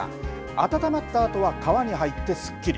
温まったあとは川に入ってすっきり。